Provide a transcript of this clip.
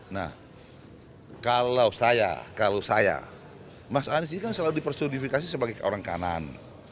nah kalau saya kalau saya mas anies ini kan selalu dipersoalifikasi sebagai orang kanan